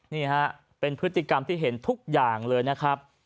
นี่ฮะเป็นพฤติกรรมที่เห็นทุกอย่างเลยนะครับ